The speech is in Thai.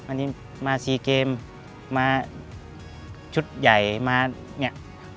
อันนี้มาซีเกมมาชุดใหญ่มาอย่างนี้